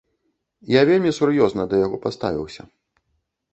Я вельмі сур'ёзна да яго паставіўся.